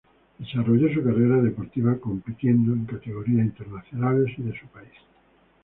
Desarrolló su carrera deportiva compitiendo en categorías internacionales y de su país.